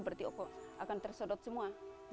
berarti akan tersedot semua